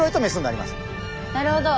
なるほど。